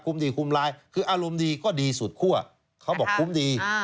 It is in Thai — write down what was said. ดีคุ้มร้ายคืออารมณ์ดีก็ดีสุดคั่วเขาบอกคุ้มดี